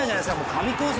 神コース。